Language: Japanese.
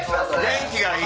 元気がいい。